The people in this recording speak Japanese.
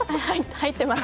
入ってます。